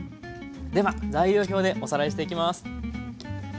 では材料表でおさらいしていきます。